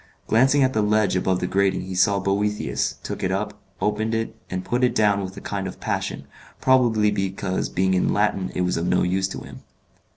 Glancing at the ledge above the grating he saw Boethius, took it up, opened it, and put it down with a kind of passion, probably because being in Latin it was of no use to him.